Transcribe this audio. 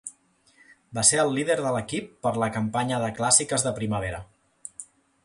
Va ser el líder de l'equip per la campanya de clàssiques de primavera.